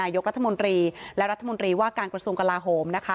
นายกรัฐมนตรีและรัฐมนตรีลวาคกลสวงก์กราหม